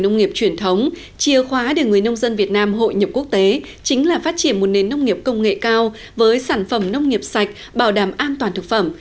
nông nghiệp truyền thống chia khóa để người nông dân việt nam hội nhập quốc tế chính là phát triển một nền nông nghiệp công nghệ cao với sản phẩm nông nghiệp sạch bảo đảm an toàn thực phẩm